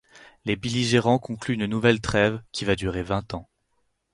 Les belligérants concluent une nouvelle trêve qui va durer vingt ans.